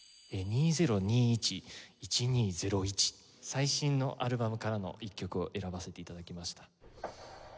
最新のアルバムからの一曲を選ばせて頂きました。